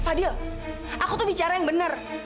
fadil aku tuh bicara yang benar